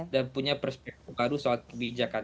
dan punya perspektif baru soal kebijakan